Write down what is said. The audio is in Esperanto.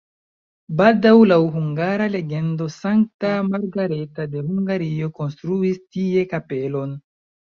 Baldaŭ laŭ hungara legendo Sankta Margareta de Hungario konstruis tie kapelon.